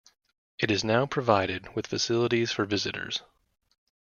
It is now provided with facilities for visitors.